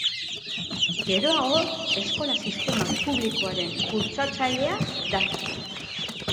Geroago, eskola-sistema publikoaren bultzatzailea da.